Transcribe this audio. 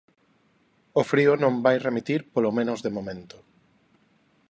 O frío non vai remitir polo menos de momento.